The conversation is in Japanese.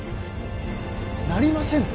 なりませぬ。